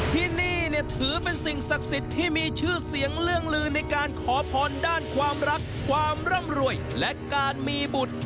ที่นี่เนี่ยถือเป็นสิ่งศักดิ์สิทธิ์ที่มีชื่อเสียงเรื่องลือในการขอพรด้านความรักความร่ำรวยและการมีบุตร